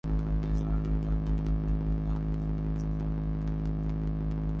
د نسوارو د پلورلو دوکان زموږ څخه لیري و